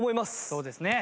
そうですね。